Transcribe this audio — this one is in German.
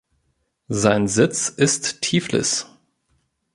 Sein Sitz ist Tiflis.